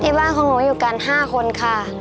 ที่บ้านของผมอยู่กัน๕คนค่ะ